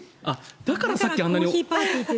だからさっきあんなに。